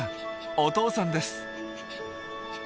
お父さんです。